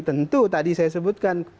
tentu tadi saya sebutkan